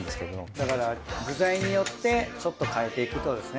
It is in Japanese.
だから具材によってちょっと変えていくってことですね